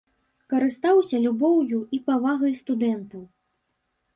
Карыстаўся любоўю і павагай студэнтаў.